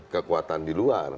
kekuatan di luar